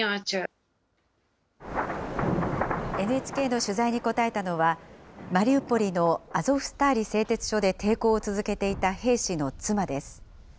ＮＨＫの取材に答えたのは、マリウポリのアゾフスターリ製鉄所で抵抗を続けていた兵士の妻です。